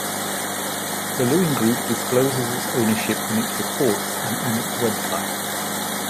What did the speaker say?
The Lewin Group discloses its ownership in its reports and on its web site.